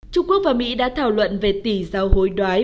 trung quốc và mỹ đã thảo luận về tỷ giáo hối đoái